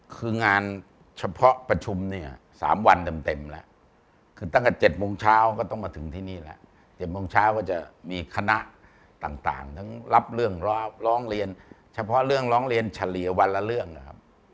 คืองานเฉพาะประชุมเนี่ย๓วันเต็มแล้วคือตั้งแต่๗โมงเช้าก็ต้องมาถึงที่นี่แหละ๗โมงเช้าก็จะมีคณะต่างทั้งรับเรื่องร้องเรียนเฉพาะเรื่องร้องเรียนเฉลี่ยวันละเรื่องนะครับ